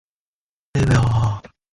It lies north of Montreal and Laval.